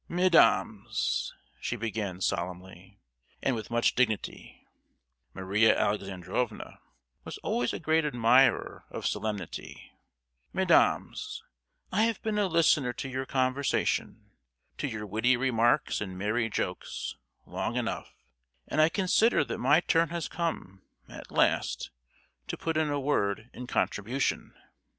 "Mesdames," she began, solemnly, and with much dignity (Maria Alexandrovna was always a great admirer of solemnity); "mesdames, I have been a listener to your conversation—to your witty remarks and merry jokes—long enough, and I consider that my turn has come, at last, to put in a word in contribution.